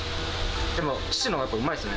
でも、父のほうがやっぱうまいですね。